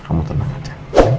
kamu tenang aja